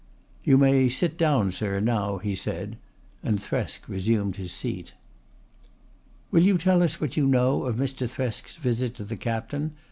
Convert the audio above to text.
"You may sit down, sir, now," he said, and Thresk resumed his seat. "Will you tell us what you know of Mr. Thresk's visit to the Captain?"